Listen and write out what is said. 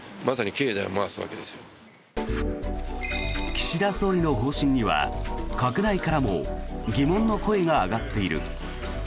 岸田総理の方針には閣内からも疑問の声が上がっている。